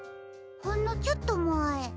ほんのちょっとまえ。